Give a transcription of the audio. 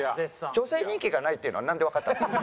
女性人気がないっていうのはなんでわかったんですか？